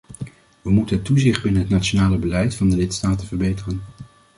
We moeten het toezicht binnen het nationale beleid van de lidstaten verbeteren.